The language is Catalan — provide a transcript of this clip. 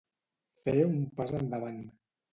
Fer un pas endavant.